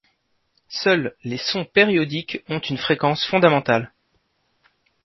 Seuls les sons périodiques ont une fréquence fondamentale.